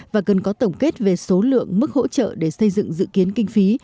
và cần có tổng kết về số lượng mức hỗ trợ để xây dựng dự kiến kinh phí